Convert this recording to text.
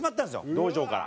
道場から。